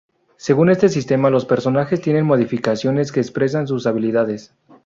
Según este sistema los personajes tienen modificadores que expresan sus habilidades.